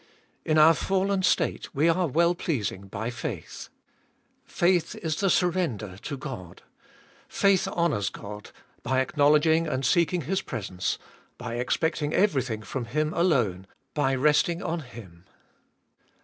In our fallen state we are well pleasing by faith. Faith is the surrender to God. Faith honours God by acknowledging and seeking His Sbe Doliest of Bll 431 presence, by expecting everything from Him alone, by resting on Him.